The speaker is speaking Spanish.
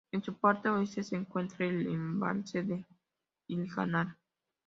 En su parte oeste se encuentra el Embalse de Iznájar.